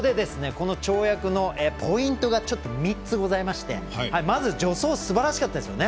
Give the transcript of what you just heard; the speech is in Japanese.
この跳躍のポイントが３つございましてまず助走すばらしかったですよね。